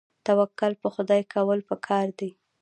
توکل په خدای کول پکار دي